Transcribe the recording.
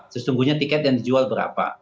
sesungguhnya tiket yang dijual berapa